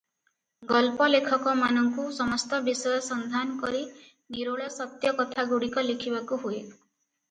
ଗଳ୍ପ ଲେଖକମାନଙ୍କୁ ସମସ୍ତ ବିଷୟ ସନ୍ଧାନ କରି ନିରୋଳ ସତ୍ୟ କଥାଗୁଡିକ ଲେଖିବାକୁ ହୁଏ ।